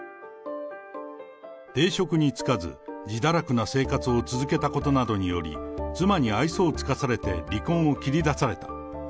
定職に就かず、自堕落な生活を続けたことなどにより、妻に愛想を尽かされて離婚を切り出された。